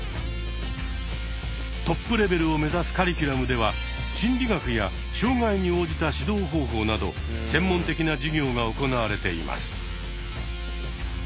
トップレベルをめざすカリキュラムでは心理学や障害に応じた指導方法など専門的な授業が行われています。